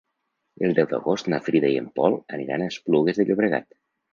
El deu d'agost na Frida i en Pol aniran a Esplugues de Llobregat.